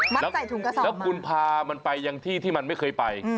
แล้วใส่ถุงกระสอบแล้วคุณพามันไปยังที่ที่มันไม่เคยไป